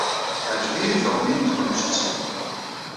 Teɛǧeb-iyi teɣmi n tqemǧet-im.